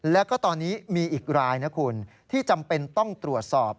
แล้วก็ตอนนี้มีอีกรายนะคุณที่จำเป็นต้องตรวจสอบ